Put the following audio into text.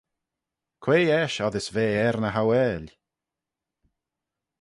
Quoi eisht oddys ve er ny hauail?